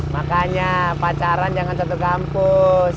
makanya pacaran jangan satu kampus